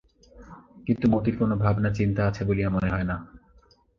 কিন্তু মতির কোনো ভাবনাচিন্তা আছে বলিয়া মনে হয় না।